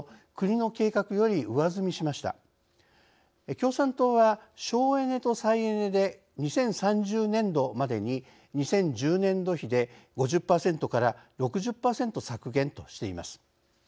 共産党は「省エネと再エネで２０３０年度までに２０１０年度比で５０％６０％削減」としています。